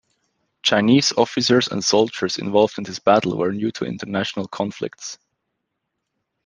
Chinese officers and soldiers involved in this battle were new to international conflicts.